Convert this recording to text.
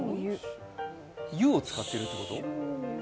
「ゆ」を使ってるってこと？